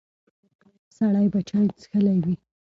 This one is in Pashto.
سړی به چای څښلی وي.